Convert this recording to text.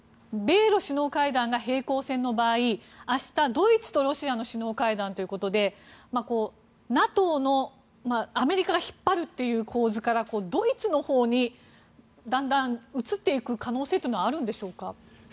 米ロ首脳会談が平行線の場合明日、ドイツとロシアの首脳会談ということでＮＡＴＯが、アメリカが引っ張るという構図からドイツのほうに、だんだん移っていく可能性というのはあるんでしょうか？